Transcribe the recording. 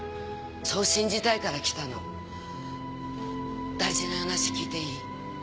そう信じたいから来たの。大事な話聞いていい？